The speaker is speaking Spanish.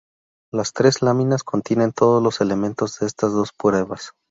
Las tres láminas contienen todos los elementos de estas dos pruebas.